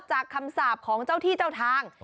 คำสาปของเจ้าที่เจ้าทาง